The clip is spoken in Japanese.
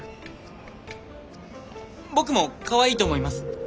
僕もかわいいと思います。